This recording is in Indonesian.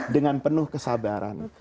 dengan penuh kesabaran